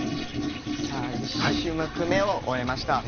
１種目目を終えました。